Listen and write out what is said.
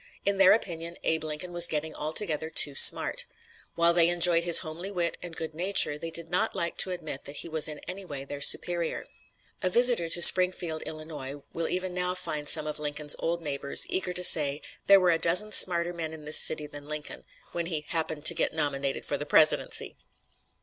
In their opinion Abe Lincoln was getting altogether too smart. While they enjoyed his homely wit and good nature, they did not like to admit that he was in any way their superior. A visitor to Springfield, Ill., will even now find some of Lincoln's old neighbors eager to say "there were a dozen smarter men in this city than Lincoln" when he "happened to get nominated for the presidency!"